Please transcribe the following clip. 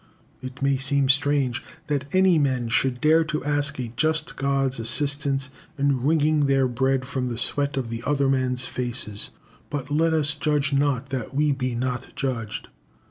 It may seem strange that any men should dare to ask a just God's assistance in wringing their bread from the sweat of other men's faces; but let us judge not that we be not judged.